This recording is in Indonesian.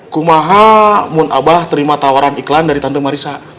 kumaha munabah terima tawaran iklan dari tante marisa